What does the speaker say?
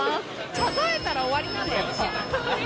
数えたら終わりなのよ。